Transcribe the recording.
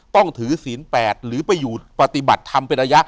ต้องถือศีล๘หรือไปอยู่ปฏิบัติธรรมเป็นระยะ